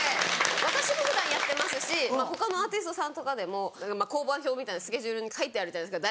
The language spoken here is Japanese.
私も普段やってますし他のアーティストさんとかでも香盤表みたいなスケジュールに書いてあるじゃないですか。